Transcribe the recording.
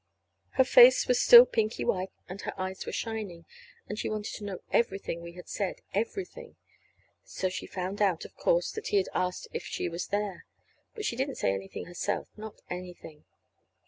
Her face was still pinky white, and her eyes were shining; and she wanted to know everything we had said everything. So she found out, of course, that he had asked if she was there. But she didn't say anything herself, not anything.